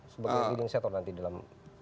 sebagai leading setor nanti dalam